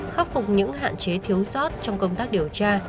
khắc phục những hạn chế thiếu sót trong công tác điều tra